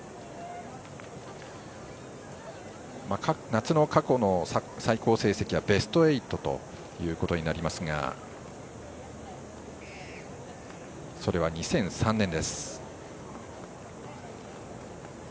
夏の過去の最高成績はベスト８となりますがそれは２００３年です。